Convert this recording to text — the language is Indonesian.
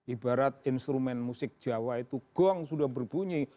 ibarat instrumen musik jawa itu gong sudah berbunyi